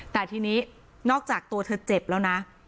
แต่ทีนี้นอกจากตัวเธอเจ็บแล้วนะ